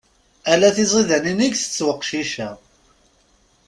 Ala tiziḍanin i itett weqcic-a.